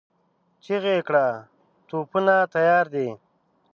چيغه يې کړه! توپونه تيار دي؟